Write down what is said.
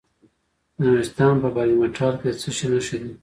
د نورستان په برګ مټال کې د څه شي نښې دي؟